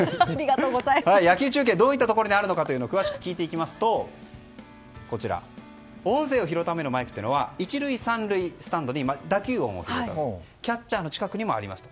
野球中継どういったところにあるのか詳しく聞いていきますと音声を拾うためのマイクは１塁３塁スタンドに打球音を拾うためキャッチャーの近くにもあります。